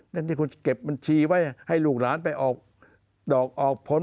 นั่นที่คุณเก็บบัญชีไว้ให้ลูกหลานไปออกดอกออกผล